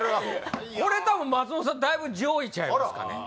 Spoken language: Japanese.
これたぶん松本さんだいぶ上位ちゃいますかね